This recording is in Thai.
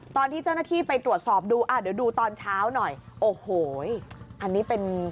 ตอนที่เจ้าหน้าที่ไปตรวจสอบดูอ่ะเดี๋ยวดูตอนเช้าหน่อยโอ้โหอันนี้เป็น